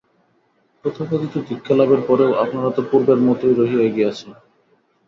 তথাকথিত দীক্ষালাভের পরেও আপনারা তো পূর্বের মতই রহিয়া গিয়াছেন।